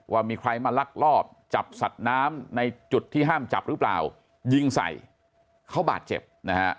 ว่ามีใครมาลักลอบจับสัตว์น้ำในจุดที่ห้ามจับหรือเปล่ายิงใส่เขาบาดเจ็บนะฮะ